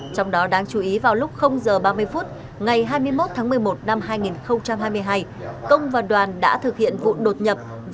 trong đó đáng chú ý vào lúc h ba mươi phút ngày hai mươi một tháng một mươi một năm hai nghìn hai mươi hai công và đoàn đã thực hiện vụ đột nhập